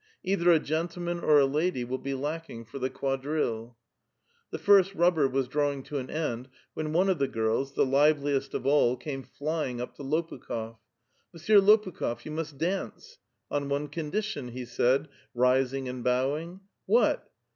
Either a gentleman or a lady will be lacking for the quadrille." The first rubber was drawing to an end, when one of the girls, the liveliest of all, came flying up to Lopukh6f :—•'* Monsieur Lopukh6f, you must dance." " On one condition," he said, rising and bowing. '^Whnt?"